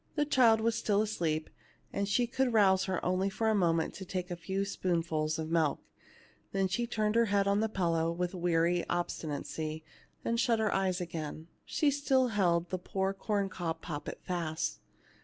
The child was still asleep, and she could arouse her only for a moment to take a few spoonfuls of milk ; then she turned her head on her pillow with weary obstinacy, and shut her eyes again. She still held the poor corn cob poppet fast.